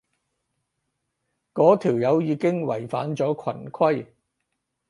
嗰條友已經違反咗群規